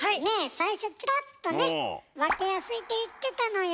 最初チラッとね「分けやすい」って言ってたのよ。